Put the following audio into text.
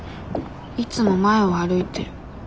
いつも前を歩いてる。